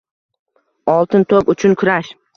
“Oltin to‘p” uchun kurash